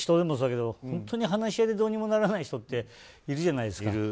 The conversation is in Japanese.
本当に話し合いでどうにもならない人っているじゃないですか。